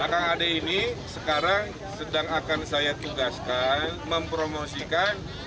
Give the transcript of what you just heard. kang ade ini sekarang sedang akan saya tugaskan mempromosikan